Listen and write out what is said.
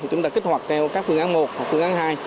chúng ta kích hoạt theo các phương án một hoặc phương án hai